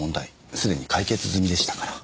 すでに解決済みでしたから。